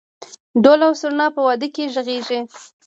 دهل او سرنا په واده کې غږیږي؟